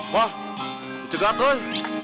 wah itu segera toh